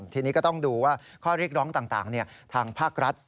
ทีนี้ก็ต้องดูว่าข้อเรียกร้องต่างทางภาครัฐ